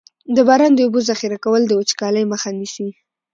د باران د اوبو ذخیره کول د وچکالۍ مخه نیسي.